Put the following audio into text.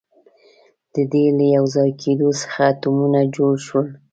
د دې له یوځای کېدو څخه اتمونه جوړ شول.